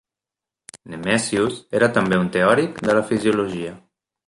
Nemesius era també un teòric de la fisiologia.